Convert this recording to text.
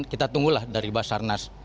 kita tunggulah dari basarnas